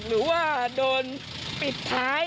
หรือว่าโดนปิดท้าย